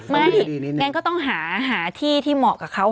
ไม่งั้นก็ต้องหาที่ที่เหมาะกับเขา